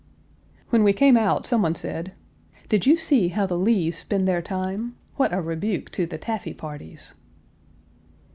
When we came out someone said, "Did you see how the Lees spend their time? What a rebuke to the taffy parties!"